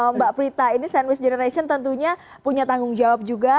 mbak prita ini sandwich generation tentunya punya tanggung jawab juga